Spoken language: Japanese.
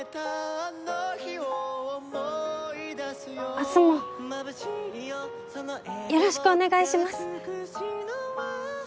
明日もよろしくお願いします。